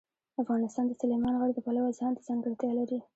افغانستان د سلیمان غر د پلوه ځانته ځانګړتیا لري.